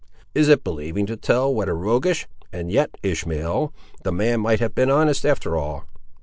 "Is it believing to tell what a roguish—And yet, Ishmael, the man might have been honest after all!